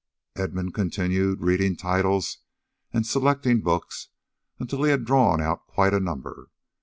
Edmund continued reading titles and selecting books until he had drawn out quite a number.